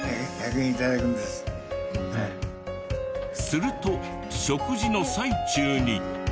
すると食事の最中に。